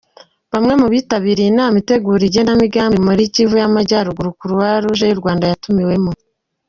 Bamwe mu bitabiriye inama itegura igenamigamba muri Kivu y’Amajyaruguru Croix-Rwanda yatumiwemo.